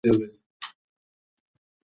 د ښار لیدو لپاره لارښود هم ګمارلی و.